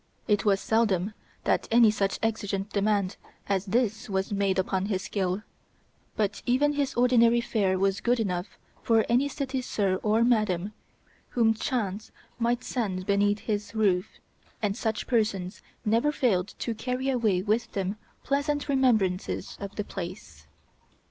It was seldom that any such exigeant demand as this was made upon his skill, but even his ordinary fare was good enough for any city sir or madam whom chance might send beneath his roof, and such persons never failed to carry away with them pleasant remembrances of the place.